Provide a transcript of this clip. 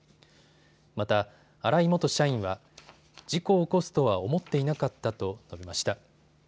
また、荒井元社員は事故を起こすとは思っていなかったと述べました。